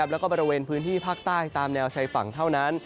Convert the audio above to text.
แล้วก็บริเวณพื้นที่ภาคใต้ตามแนวชายฝั่งเท่านั้น